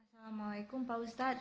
assalamualaikum pak ustadz